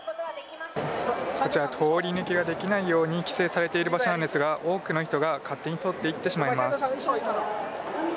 こちら通り抜けができないように規制されている場所ですが多くの人が勝手に通っていってしまいます。